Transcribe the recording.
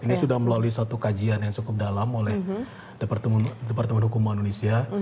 ini sudah melalui satu kajian yang cukup dalam oleh departemen hukum indonesia